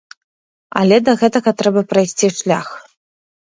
Але да гэтага трэба прайсці шлях.